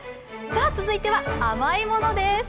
続いては甘いものです。